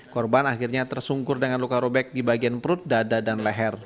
korban akhirnya tersungkur dengan luka robek di bagian perut dada dan leher